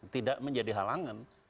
tidak menjadi halangan